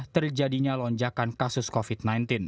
terjadinya lonjakan kasus covid sembilan belas